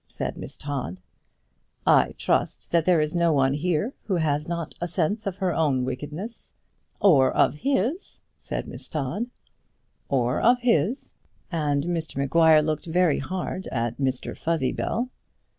said Miss Todd. "I trust that there is no one here who has not a sense of her own wickedness." "Or of his," said Miss Todd. "Or of his," and Mr Maguire looked very hard at Mr Fuzzybell.